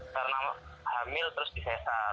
karena hamil terus disesar